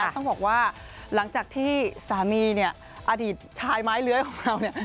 ต้องบอกว่าหลังจากที่สามีอดีตชายไม้เลื้อยของเรา